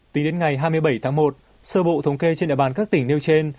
tính đến ngày hai mươi bảy tháng một sơ bộ thống kê trên đại bàn các tỉnh nêu trên